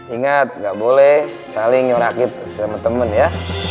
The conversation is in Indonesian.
ingat nggak boleh saling nyoraki sama teman ya